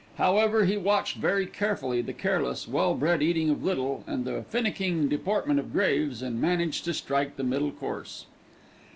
However, he watched very carefully the careless, well bred eating of Little and the finicking deportment of Graves, and managed to strike the middle course.